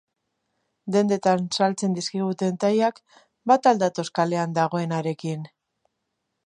Dendetan saltzen dizkiguten tailak bat al datoz kalean dagoenarekin?